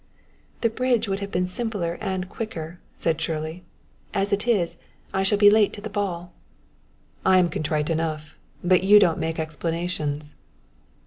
"The bridge would have been simpler and quicker," said Shirley; "as it is, I shall be late to the ball." "I am contrite enough; but you don't make explanations."